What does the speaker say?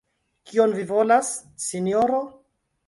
Kion vi volas, sinjoro?